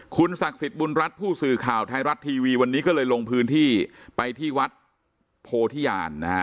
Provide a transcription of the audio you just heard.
คุณศักดิ์สิทธิ์บุญรัฐผู้สื่อข่าวไทยรัฐทีวีวันนี้ก็เลยลงพื้นที่ไปที่วัดโพธิญาณนะฮะ